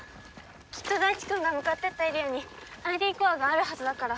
きっと大智くんが向かっていったエリアにＩＤコアがあるはずだから。